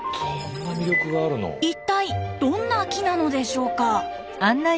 一体どんな木なのでしょうか？